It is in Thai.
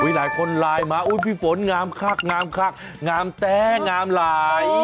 หลายคนไลน์มาพี่ฝนงามคักงามคักงามแต๊งามหลาย